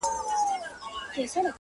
• داسي بد ږغ یې هیڅ نه وو اورېدلی ,